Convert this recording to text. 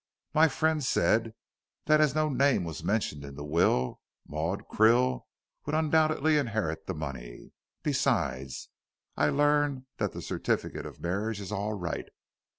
My friend said that as no name was mentioned in the will, Maud Krill would undoubtedly inherit the money. Besides, I learn that the certificate of marriage is all right.